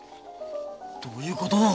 どどういうことだ？